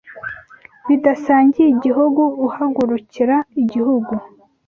Bidasangiye igihugu Uhagurukira igihugu